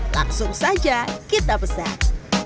langsung saja kita pesan